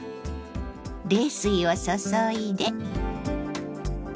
冷水を注いで。